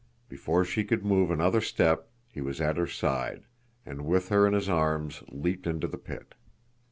Before she could move another step, he was at her side, and with her in his arms leaped into the pit.